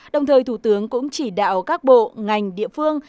đồng thời thủ tướng cũng chỉ đạo các bộ ngành địa phương